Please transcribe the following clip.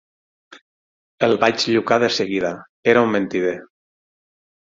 El vaig llucar de seguida: era un mentider.